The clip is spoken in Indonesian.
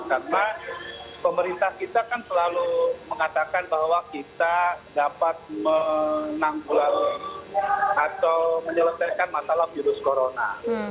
karena pemerintah kita kan selalu mengatakan bahwa kita dapat menangkul atau menyelesaikan masalah virus corona